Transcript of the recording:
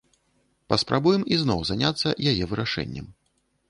Паспрабуем ізноў заняцца яе вырашэннем.